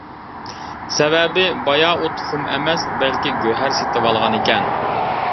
سەۋەبى، بايا ئۇ تۇخۇم ئەمەس، بەلكى گۆھەر سېتىۋالغانىكەن.